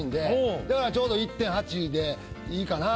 だからちょうど１．８でいいかなと思って。